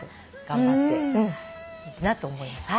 頑張っているなと思います。